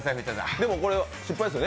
でも、これ、失敗ですよね？